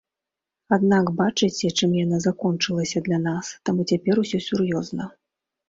Аднак бачыце, чым яна закончылася для нас, таму цяпер усё сур'ёзна.